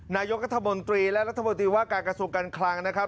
นายกัธมนตรีและรัฐมนตรีว่าการกระทรวงการคลังนะครับ